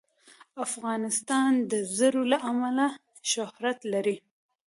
افغانستان د طلا له امله شهرت لري.